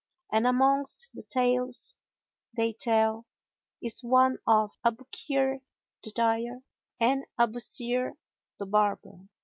And amongst the tales they tell is one of ABU KIR THE DYER AND ABU SIR THE BARBER.